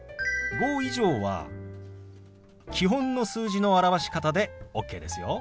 ５以上は基本の数字の表し方でＯＫですよ。